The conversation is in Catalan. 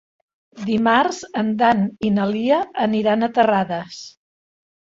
Dimarts en Dan i na Lia aniran a Terrades.